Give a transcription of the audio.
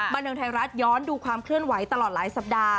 บันเทิงไทยรัฐย้อนดูความเคลื่อนไหวตลอดหลายสัปดาห์